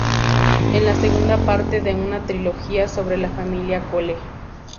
Es la segunda parte de una trilogía sobre la familia Cole.